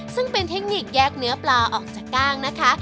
ซึ่งเป็นเทคนิคแยกเนื้อปลาออกจากกล้างนะคะ